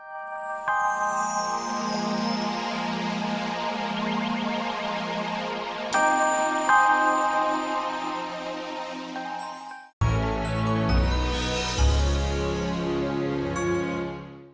sampai jumpa lagi